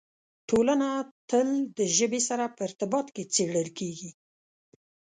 ټولنه تل د ژبې سره په ارتباط کې څېړل کېږي.